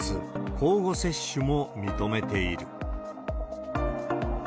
交互接種も認めている。